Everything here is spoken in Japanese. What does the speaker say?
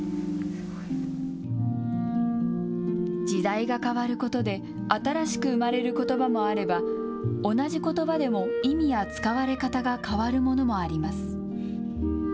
時代が変わることで新しく生まれることばもあれば同じことばでも意味や使われ方が変わるものもあります。